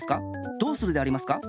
どうするでありますか？